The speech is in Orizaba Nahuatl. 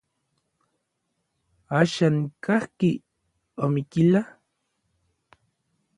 ¿Axan kajki Omiquila?